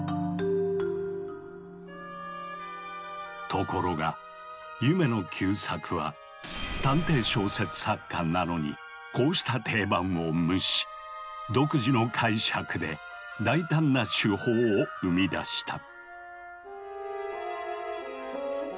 ところが夢野久作は探偵小説作家なのに独自の解釈で大胆な手法を生み出した。